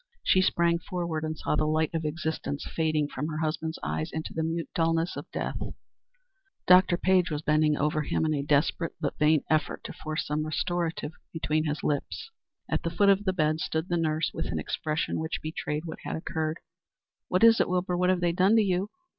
She sprang forward, and saw the light of existence fading from her husband's eyes into the mute dulness of death. Dr. Page was bending over him in a desperate, but vain, effort to force some restorative between his lips. At the foot of the bed stood the nurse, with an expression which betrayed what had occurred. "What is it, Wilbur? What have they done to you?